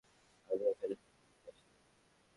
আমি এখানে হোটেলে ঘুরতে আসি নাই।